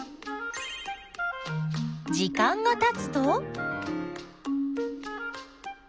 時間がたつと。